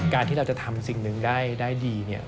การที่เราจะทำสิ่งหนึ่งได้ดี